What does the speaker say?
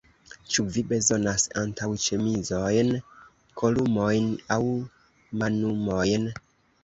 Ĉu vi bezonas antaŭĉemizojn, kolumojn aŭ manumojn?